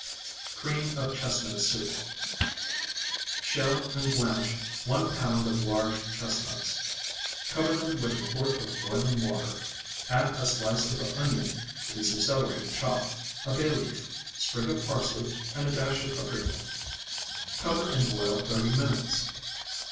CREAM OF CHESTNUT SOUP Shell and blanch one pound of large chestnuts. Cover them with a quart of boiling water; add a slice of onion, piece of celery chopped, a bay leaf, sprig of parsley and a dash of paprica. Cover and boil thirty minutes.